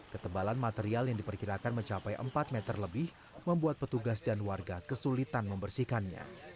ketebalan material yang diperkirakan mencapai empat meter lebih membuat petugas dan warga kesulitan membersihkannya